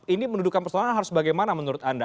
ini mendudukan persoalan harus bagaimana menurut anda